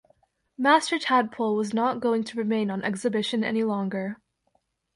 Master Tadpole was not going to remain on exhibition any longer.